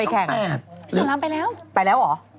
พี่สอนรามไปแล้วไปแล้วหรอ